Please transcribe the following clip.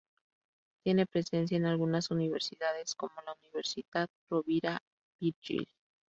Tiene presencia en algunas universidades, como la Universitat Rovira i Virgili.